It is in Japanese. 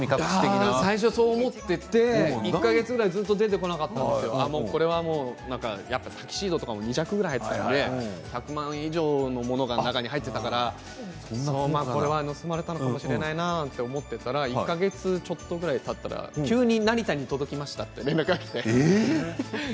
最初そう思っていて１か月ぐらい、ずっと出てこなかったんですけれどこれはやっぱりタキシードととかも２着ぐらい作って１００万以上のものが中に入っていたからこれは盗まれたのかもしれないなと思っていたら１か月ちょっとぐらいたったら急に成田に届きましたって連絡が来て。